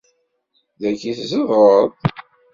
Dagi i tzedɣeḍ?